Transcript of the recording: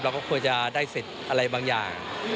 เราก็ควรจะได้สิทธิ์อะไรบางอย่าง